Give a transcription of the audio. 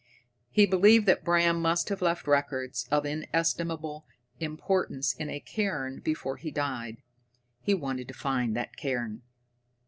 He believed that Bram must have left records of inestimable importance in a cairn before he died. He wanted to find that cairn.